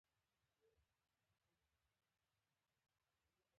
که زه ژوندی وم نو یا سر بایلم.